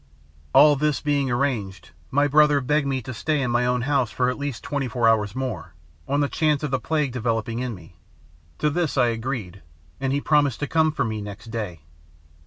"All this being arranged, my brother begged me to stay in my own house for at least twenty four hours more, on the chance of the plague developing in me. To this I agreed, and he promised to come for me next day.